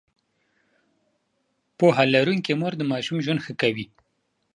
پوهه لرونکې مور د ماشوم ژوند ښه کوي.